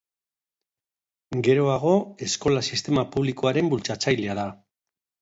Geroago, eskola-sistema publikoaren bultzatzailea da.